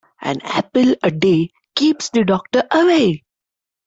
An apple a day keeps the doctor away.